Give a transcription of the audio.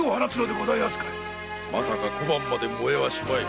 まさか小判まで燃えはしまい！